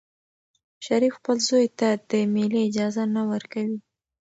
شریف خپل زوی ته د مېلې اجازه نه ورکوي.